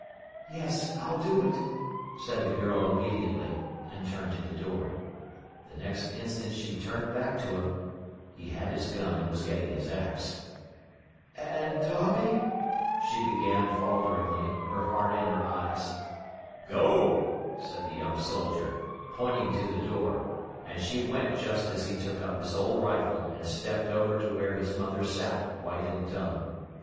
"Yes—I'll do it," said the girl obediently and turned to the door. The next instant she turned back to him: he had his gun and was getting his axe. "And, Darby——?" she began falteringly, her heart in her eyes. "Go," said the young soldier, pointing to the door, and she went just as he took up his old rifle and stepped over to where his mother sat white and dumb.